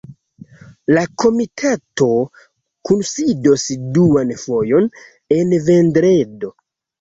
La komitato kunsidos duan fojon en vendredo.